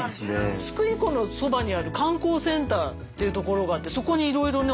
津久井湖のそばにある観光センターっていうところがあってそこにいろいろね